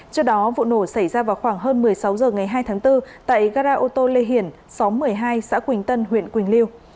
trước đó vụ nổ xảy ra vào khoảng hơn một mươi sáu h ngày hai tháng bốn tại gara ô tô lê hiển xóm một mươi hai xã quỳnh tân huyện quỳnh lưu